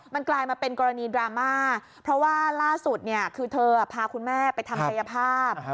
มันกลายมาเป็นกรณีดราม่าเพราะว่าล่าสุดเนี่ยคือเธอพาคุณแม่ไปทำกายภาพ